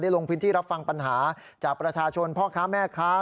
ลงพื้นที่รับฟังปัญหาจากประชาชนพ่อค้าแม่ค้า